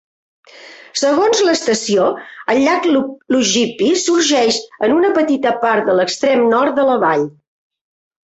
Segons l'estació, el llac Logipi sorgeix en una petita part de l'extrem nord de la vall.